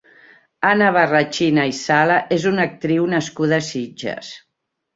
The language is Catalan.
Anna Barrachina i Sala és una actriu nascuda a Sitges.